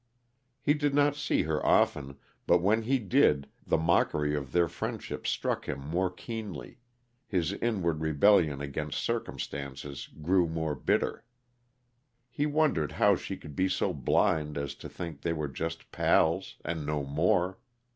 He did not see her often, but when he did the mockery of their friendship struck him more keenly, his inward rebellion against circumstances grew more bitter. He wondered how she could be so blind as to think they were just pals, and no more.